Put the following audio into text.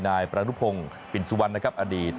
นายประนุพงศ์ปินสุวรรณนะครับอดีต